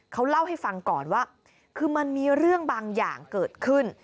เขาเล่าให้ฟังก่อนว่าคือมันมีเรื่องบางอย่างเกิดขึ้น